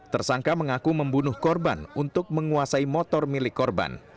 tersangka mengaku membunuh korban untuk menguasai motor milik korban